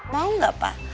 mau gak pa